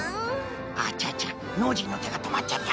あちゃちゃノージーのてがとまっちゃった。